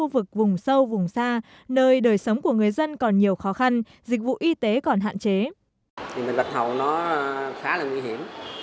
khu vực vùng sâu vùng xa nơi đời sống của người dân còn nhiều khó khăn dịch vụ y tế còn hạn chế